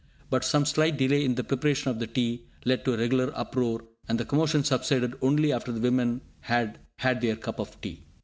But some slight delay in the preparation of the tea led to a regular uproar, and the commotion subsided only after the women had had their cup of tea!